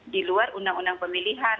di luar undang undang pemilihan